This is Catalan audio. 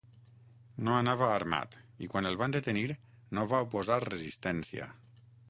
No anava armat i quan el van detenir no va oposar resistència.